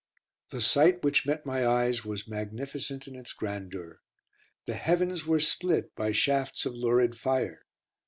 The sight which met my eyes was magnificent in its grandeur. The heavens were split by shafts of lurid fire.